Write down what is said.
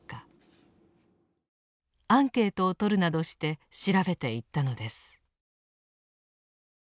アンケートをとるなどして調べていったのです。